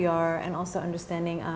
apa yang kita inginkan siapa kita dan juga